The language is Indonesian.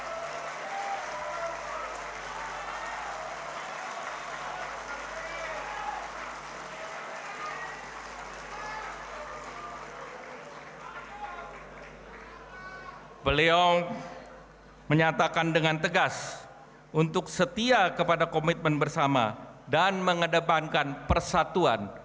hai beliau menyatakan dengan tegas untuk setia kepada komitmen bersama dan mengedepankan persatuan